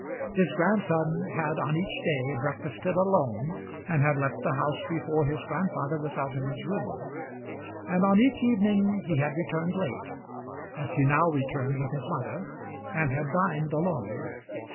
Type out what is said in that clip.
His grandson had on each day breakfasted alone, and had left the house before his grandfather was out of his room; and on each evening he had returned late, as he now returned with his mother, and had dined alone.